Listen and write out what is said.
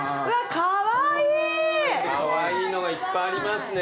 カワイイのがいっぱいありますね。